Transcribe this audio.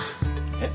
えっ。